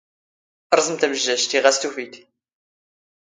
ⵕⵥⵎ ⵜⴰⵎⵊⵊⴰⵊⵜ, ⵉⵖ ⴰⵙ ⵜⵓⴼⵉⵜ.